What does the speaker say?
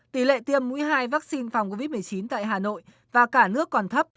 tỷ lệ tiêm mũi hai vaccine phòng covid một mươi chín tại hà nội và cả nước còn thấp